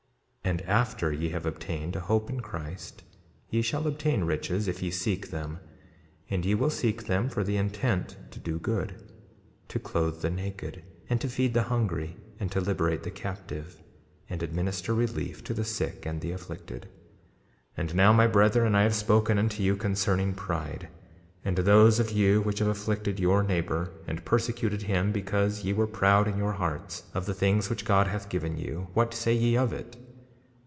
2:19 And after ye have obtained a hope in Christ ye shall obtain riches, if ye seek them; and ye will seek them for the intent to do good—to clothe the naked, and to feed the hungry, and to liberate the captive, and administer relief to the sick and the afflicted. 2:20 And now, my brethren, I have spoken unto you concerning pride; and those of you which have afflicted your neighbor, and persecuted him because ye were proud in your hearts, of the things which God hath given you, what say ye of it?